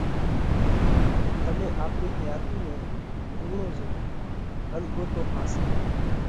تمي آپرِي حياتِي نئہ رُوڙون زوئو ان ڳوتو ۿاس نئہ